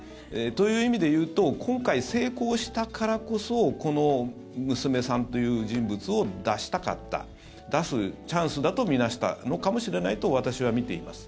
という意味でいうと今回、成功したからこそこの娘さんという人物を出したかった出すチャンスだと見なしたのかもしれないと私は見ています。